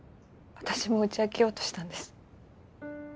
私も打ち明けようとしたんです